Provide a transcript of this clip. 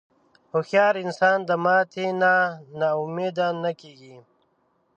هوښیار انسان د ماتې نه نا امیده نه کېږي.